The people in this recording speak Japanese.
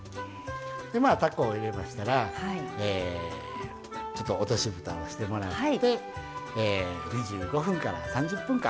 でたこを入れましたらちょっと落としぶたをしてもらって２５分から３０分間